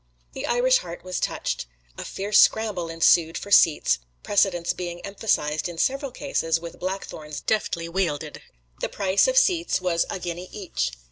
The Irish heart was touched. A fierce scramble ensued for seats, precedence being emphasized in several cases with blackthorns deftly wielded. The price of seats was a guinea each.